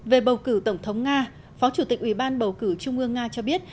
về bầu cử tổng thống nga phó chủ tịch ủy ban bầu cử trung ương nga cho biết